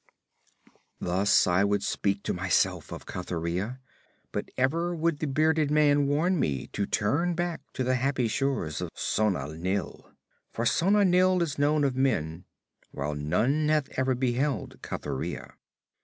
Thus would I speak to myself of Cathuria, but ever would the bearded man warn me to turn back to the happy shores of Sona Nyl; for Sona Nyl is known of men, while none hath ever beheld Cathuria.